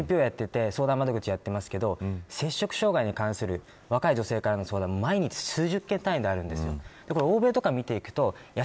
僕はＮＰＯで相談窓口をやっていますが、摂食障害に関する若い女性からの相談が毎日、数十件単位であるんです。